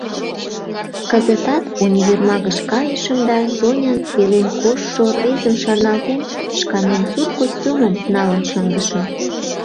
Кызытат универмагыш кайышым да, Сонян пелен коштшо рвезым шарналтен, шканем сур костюмым налын шындышым.